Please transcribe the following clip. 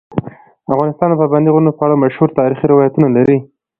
افغانستان د پابندي غرونو په اړه مشهور تاریخی روایتونه لري.